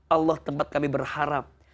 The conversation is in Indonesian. allah tempat kami berharap